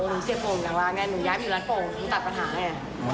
หนูเจ็บโปร่งอยู่หลังร้านเนี่ยหนูย้ายไปอยู่ร้านโปร่งหนูตัดปัญหาเนี่ย